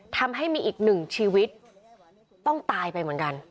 ทำให้มีอีกหนึ่งชีวิตต้องตายไปเหมือนกัน